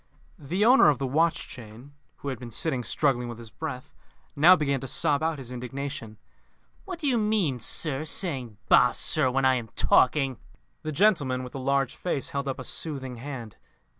The owner of the watch chain, who had been sitting struggling with his breath, now began to sob out his indignation. "What do you mean, sir? Saying Bah! sir, when I am talking " The gentleman with the large face held up a soothing hand.